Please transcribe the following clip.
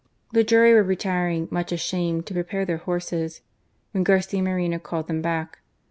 The jury were retiring, much ashamed, to prepare their horses, when Garcia Moreno called them back.